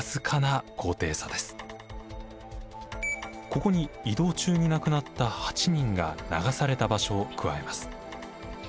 ここに移動中に亡くなった８人が流された場所を加えます。